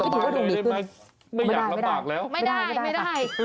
แต่สบายเลยไม่อยากลำบากแล้วไม่ได้ค่ะไม่ได้ไม่ได้